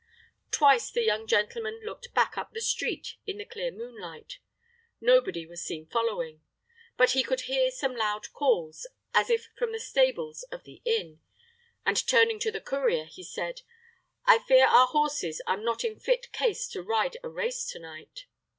Twice the young gentleman looked back up the street in the clear moonlight. Nobody was seen following; but he could hear some loud calls, as if from the stables of the inn, and turning to the courier, he said, "I fear our horses are not in fit case to ride a race to night."